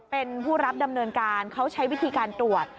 เป็นผู้รับดำเนินการเขาใช้วิธีการตรวจ